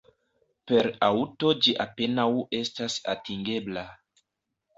Per aŭto ĝi apenaŭ estas atingebla.